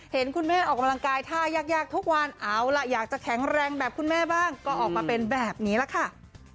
เห็นคุณแม่ออกกำลังกายท่ายากทุกวันเอาล่ะอยากจะแข็งแรงแบบคุณแม่บ้างก็ออกมาเป็นแบบนี้แหละค่ะ